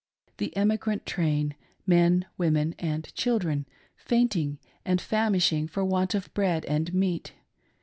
The emigrant train; — men, women, and children fainting and fam ishing for want of bread and meat.